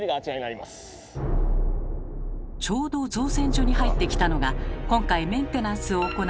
ちょうど造船所に入ってきたのが今回メンテナンスを行う大型フェリー。